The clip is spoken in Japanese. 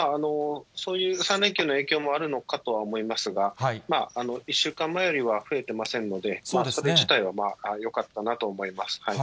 そういう３連休の影響もあるのかとは思いますが、１週間前よりは増えてませんので、それ自体はまあよかったなとは思います。